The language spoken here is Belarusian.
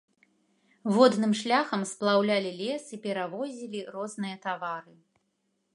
Водным шляхам сплаўлялі лес і перавозілі розныя тавары.